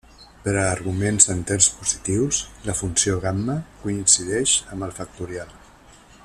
Per a arguments enters positius, la funció gamma coincideix amb el factorial.